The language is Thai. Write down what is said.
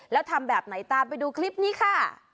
แล้วทำแบบไหนตามไปดูคลิปนี้ค่ะ